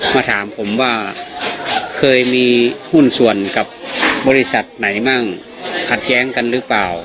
มาถามผมว่าเคยมีหุ้นส่วนกับบริษัทไหนมั่งขัดแย้งกันหรือเปล่า